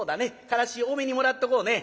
からし多めにもらっとこうね」。